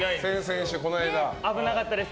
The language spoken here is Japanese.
危なかったです。